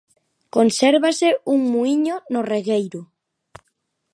Consérvase un muíño no regueiro.